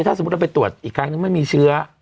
ถ้าสมมุติเราไปตรวจอีกครั้งนึงไม่มีเชื้อ